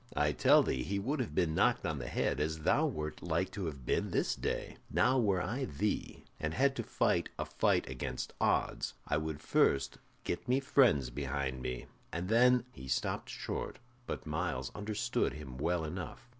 I tell thee he would have been knocked on the head as thou wert like to have been this day. Now were I thee, and had to fight a fight against odds, I would first get me friends behind me, and then " He stopped short, but Myles understood him well enough.